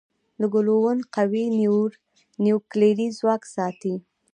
د ګلوون قوي نیوکلیري ځواک ساتي.